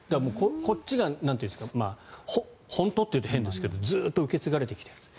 こっちが本当というと変ですがずっと受け継がれてきているやつ。